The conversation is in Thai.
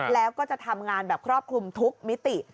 แล้วก็จะทำงานแบบครอบคลุมทุกมิติ